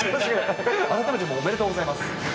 改めておめでとうございます。